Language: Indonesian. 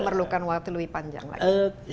memerlukan waktu lebih panjang lagi